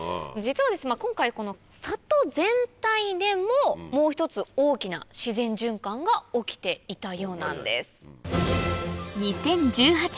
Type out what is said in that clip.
実は今回この里全体でももう一つ大きな自然循環が起きていたようなんです。